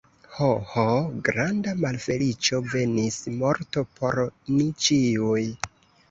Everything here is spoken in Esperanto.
Ho, ho, granda malfeliĉo venis, morto por ni ĉiuj!